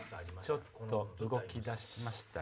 ちょっと動き出しましたよ。